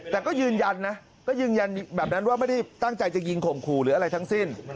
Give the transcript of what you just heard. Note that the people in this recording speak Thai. แต่ก็ยืนยันนะก็ยืนยันแบบนั้นว่าไม่ได้ตั้งใจจะยิงข่มขู่หรืออะไรทั้งสิ้น